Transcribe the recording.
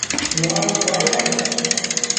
Nuaimbo nec